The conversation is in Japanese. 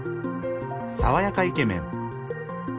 「爽やかイケメン」